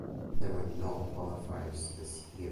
There were no qualifiers this year.